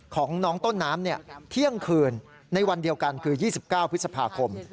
ของน้องต้นน้ำเที่ยงคืนในวันเดียวกันคือ๒๙พฤษภาคม